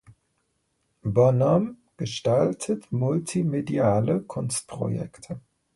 Bonhomme gestaltet multimediale Kunstprojekte.